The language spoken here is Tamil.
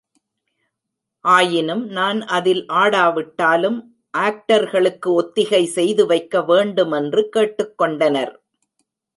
ஆயினும் நான் அதில் ஆடாவிட்டாலும், ஆக்டர்களுக்கு ஒத்திகை செய்து வைக்க வேண்டுமென்று கேட்டுக் கொண்டனர்.